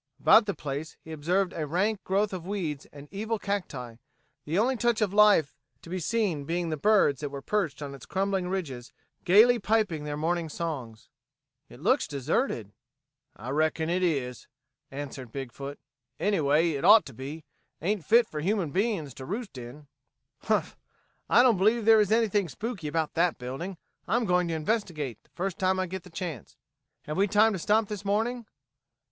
About the place he observed a rank growth of weeds and evil cacti, the only touch of life to be seen being the birds that were perched on its crumbling ridges, gayly piping their morning songs. "It looks deserted." "I reckon it is," answered Big foot. "Anyway, it ought to be. Ain't fit for human beings to roost in." "Humph! I don't believe there is anything spooky about that building. I'm going to investigate, the first time I get the chance. Have we time to stop this morning?"